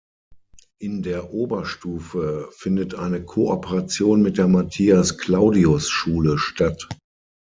In der Oberstufe findet eine Kooperation mit der Matthias-Claudius-Schule statt.